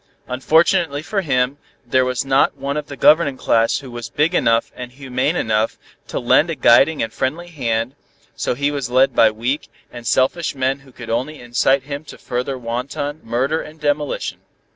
Unfortunately for him, there was not one of the governing class who was big enough and humane enough to lend a guiding and a friendly hand, so he was led by weak, and selfish men who could only incite him to further wanton murder and demolition.